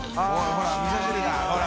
ほらみそ汁がほら。